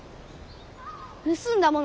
盗んだもの